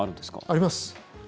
あります。